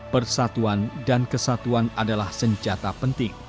persatuan dan kesatuan adalah senjata penting